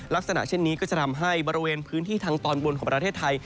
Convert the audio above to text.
ลักษณะเช่นนี้ก็จะทำให้บริเวณพื้นที่ทางตอนบนของประเทศไทย